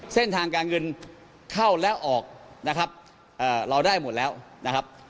เส้นทางการเงินเข้าแล้วออกนะครับเราได้หมดแล้วนะครับ